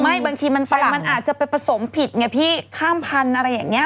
ไม่บางทีมันอาจจะไปผสมผิดที่ข้ามพันธุ์อะไรอย่างนี้